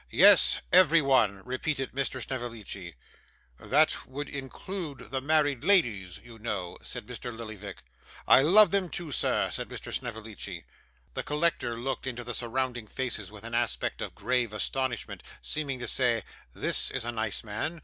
'Yes, every one,' repeated Mr. Snevellicci. 'That would include the married ladies, you know,' said Mr. Lillyvick. 'I love them too, sir,' said Mr. Snevellicci. The collector looked into the surrounding faces with an aspect of grave astonishment, seeming to say, 'This is a nice man!